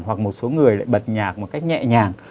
hoặc một số người lại bật nhạc một cách nhẹ nhàng